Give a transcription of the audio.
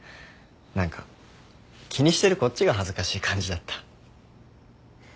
何か気にしてるこっちが恥ずかしい感じだった。